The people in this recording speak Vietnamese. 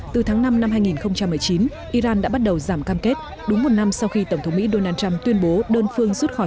từ tháng năm năm hai nghìn một mươi chín iran đã bắt đầu giảm cam kết đúng một năm sau khi tổng thống mỹ donald trump tuyên bố đơn phương rút khỏi